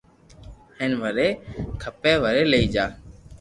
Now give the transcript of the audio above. ھين وري کپي وري لئي جا